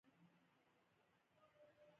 د کرنې د وسایلو ساتنه د تولید دوام تضمینوي.